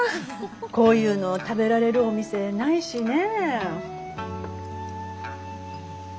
こういうのを食べられるお店ないしね。